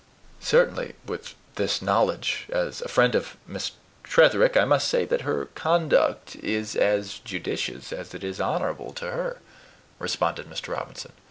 "Certainly, with this knowledge, as a friend of Miss Tretherick I must say that her conduct is as judicious as it is honorable to her," responded Mr. Robinson.